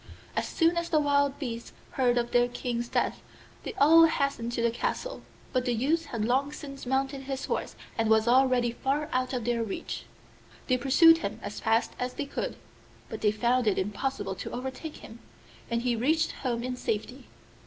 As soon as the wild beasts heard of their king's death, they all hastened to the castle, but the youth had long since mounted his horse and was already far out of their reach. They pursued him as fast as they could, but they found it impossible to overtake him, and he reached home in safety.